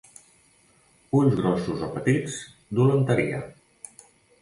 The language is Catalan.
Ulls grossos o petits, dolenteria.